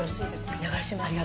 お願いします。